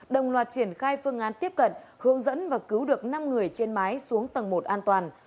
đồng loạt triển khai phương án tiếp cận hướng dẫn và cứu được năm người trên mái xuống tầng một an toàn